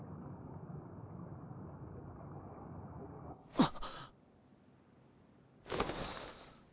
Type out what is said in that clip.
あっ！